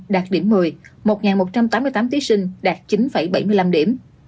đạt điểm một mươi một một trăm tám mươi tám thí sinh đạt chín bảy mươi năm điểm